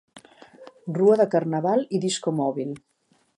Rua de carnaval i discomòbil.